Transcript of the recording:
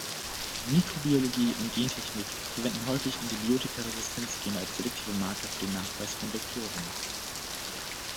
Mikrobiologie und Gentechnik verwenden häufig Antibiotika-Resistenzgene als selektive Marker für den Nachweis von Vektoren.